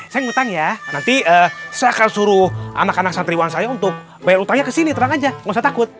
sayang hutang ya nanti saya akan suruh anak anak santriwan saya untuk bayar hutangnya ke sini terang aja nggak usah takut